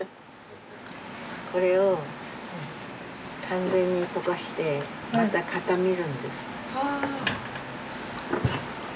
これを完全に溶かしてまた固めるんです。